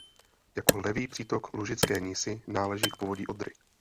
Jako levý přítok Lužické Nisy náleží k povodí Odry.